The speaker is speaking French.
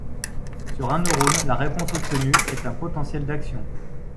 Sur un neurone, la réponse obtenue est un potentiel d'action.